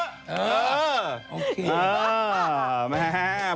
ผมต้องเรียกไง